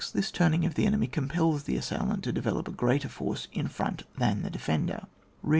This turning of the enemy compels the assailant to develop a greater force in front than the defender.